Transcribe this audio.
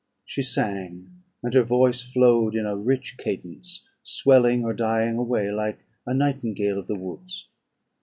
She sang, and her voice flowed in a rich cadence, swelling or dying away, like a nightingale of the woods.